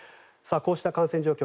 こうした感染状況